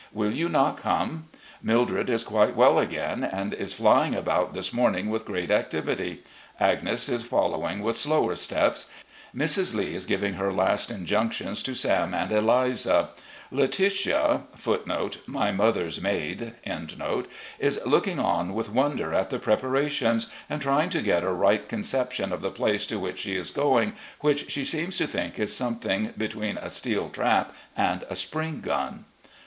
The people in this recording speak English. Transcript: Will you not come? ... Mildred is qtiite well again and is fl3dng about this morning with great activity. Agnes is following with slower steps, Mrs. Lee is giving her last injtmctions to Sam and EUza. Letitia* is looking on with wonder at the preparations, and trying to get a right conception of the place to which she is going, which she seems to think is something between a steel trap and a spring gun.